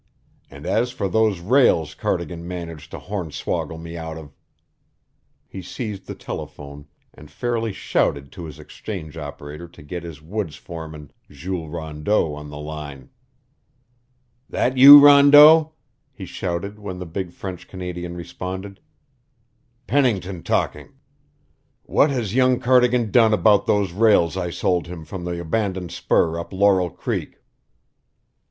And as for those rails Cardigan managed to hornswoggle me out of " He seized the telephone and fairly shouted to his exchange operator to get his woods foreman Jules Rondeau on the line. "That you, Rondeau?" he shouted when the big French Canadian responded. "Pennington talking. What has young Cardigan done about those rails I sold him from the abandoned spur up Laurel Creek?"